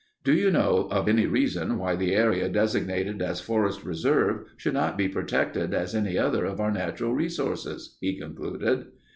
"Do you know of any reason why the area designated as Forest Reserve should not be protected as any other of our natural resources?" he concluded.